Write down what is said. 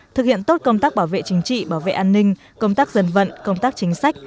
thực hiện tốt công tác bảo vệ chính trị bảo vệ an ninh công tác dân vận công tác chính sách